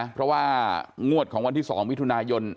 เพราะว่างวดของวันที่๒มิถุนายน